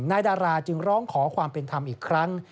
ดาราจึงร้องขอความเป็นธรรมอีกครั้ง